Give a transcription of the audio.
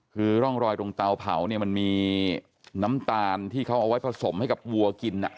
คือร่องรอยตรงเตาเผาเนี่ยมันมีน้ำตาลที่เขาเอาไว้ผสมให้กับวัวกิน